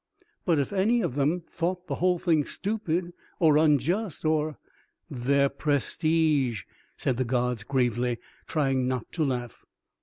"But if any of them thought the whole thing stupid or unjust or " "Their prestige," said the gods gravely, trying not to laugh.